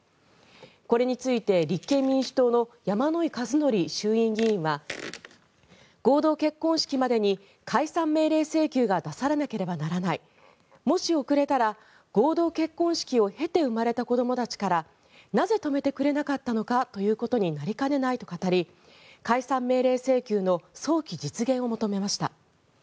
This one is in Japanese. これについて立憲民主党の山井和則衆院議員は合同結婚式までに解散命令請求が出されなければならないもし遅れたら、合同結婚式を経て生まれた子どもたちからなぜ止めてくれなかったのかということになりかねないと語り解散命令請求の早期実現を求めました。